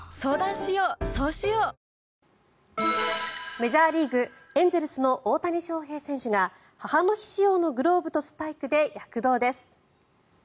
メジャーリーグエンゼルスの大谷翔平選手が母の日仕様のグローブとスパイクで躍動です。